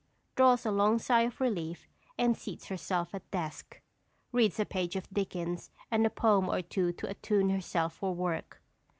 Draws a long sigh of relief and seats herself at desk. Reads a page of Dickens and a poem or two to attune herself for work.